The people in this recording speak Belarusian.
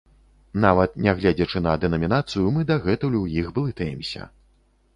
Нават нягледзячы на дэнамінацыю, мы дагэтуль у іх блытаемся.